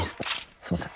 すいません。